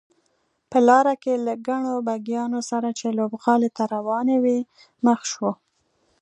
په لاره کې له ګڼو بګیانو سره چې لوبغالي ته روانې وې مخ شوو.